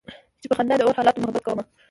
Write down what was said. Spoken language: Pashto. چې په خندا د اور حالاتو محبت کومه